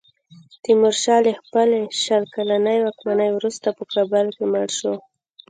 تیمورشاه له خپلې شل کلنې واکمنۍ وروسته په کابل کې مړ شو.